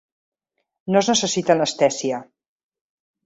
No es necessita anestèsia.